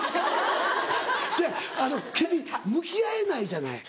違うあの君向き合えないじゃない。